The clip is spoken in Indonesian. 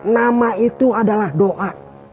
nama itu adalah doa